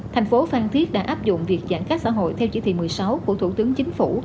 thành phố phan thiết đã áp dụng việc giãn cách xã hội theo chỉ thị một mươi sáu của thủ tướng chính phủ